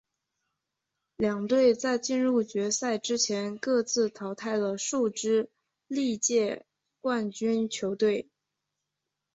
两队在进入决赛之前各自淘汰了数支历届冠军球队。